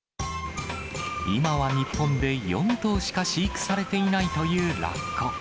今は日本で４頭しか飼育されていないというラッコ。